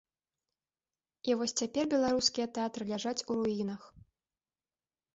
І вось цяпер беларускія тэатры ляжаць у руінах.